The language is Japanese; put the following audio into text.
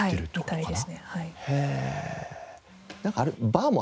はい。